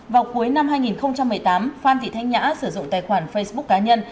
vào cuối năm hai nghìn một mươi tám phan thị thanh nhã sử dụng tài khoản facebook cá nhân